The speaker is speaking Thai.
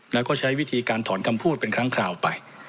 แล้วก็ใช้วิธีการถอนคำพูดเป็นครั้งคราวไป